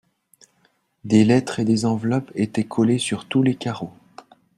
Des lettres et des enveloppes étaient collées sur tous les carreaux.